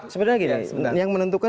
sebenarnya gini yang menentukan